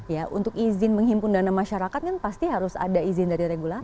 ya untuk izin menghimpun dana masyarakat kan pasti harus ada izin dari regulator